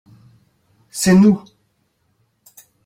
c'est nous.